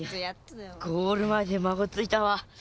ゴールまえでまごついたわ。